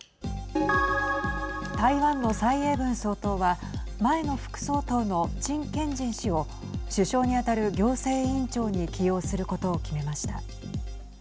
台湾の蔡英文総統は前の副総統の陳建仁氏を首相に当たる行政院長に起用することを決めました。